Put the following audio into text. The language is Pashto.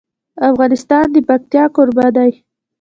افغانستان د پکتیا کوربه دی.